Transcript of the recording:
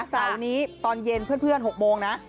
เสาร์นี้ตอนเย็นเพื่อน๖โมงนะ